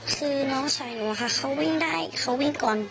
คือน้องชายหนูอะค่ะเขาวิ่งได้เขาวิ่งก่อน